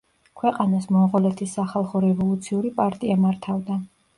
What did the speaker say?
ქვეყანას მონღოლეთის სახალხო რევოლუციური პარტია მართავდა.